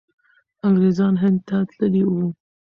انګریزان هند ته تللي وو.